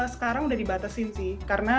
sekarang udah dibatasin sih